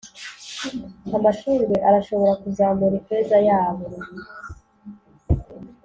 amashurwe arashobora kuzamura ifeza yabo